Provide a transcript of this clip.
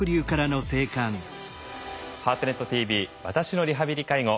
「ハートネットＴＶ私のリハビリ・介護」。